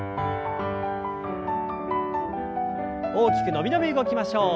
大きく伸び伸び動きましょう。